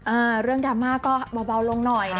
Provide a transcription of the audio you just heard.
เอ่อเรื่องดรามม่าก็เบาลงหน่อยนะครับ